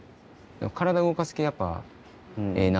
体動かす系やっぱええなぁっていう。